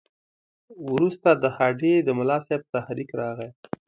وروسته د هډې د ملاصاحب تحریک راغی.